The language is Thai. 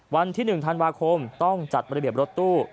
วันที่๑ธันวาคมต้องจัดระเบียบรถตู้